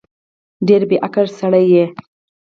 ډېر بیعقل سړی یې